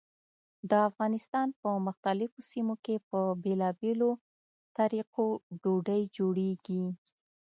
د افغانستان په مختلفو سیمو کې په بېلابېلو طریقو ډوډۍ جوړېږي.